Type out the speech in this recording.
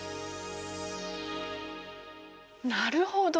なるほど。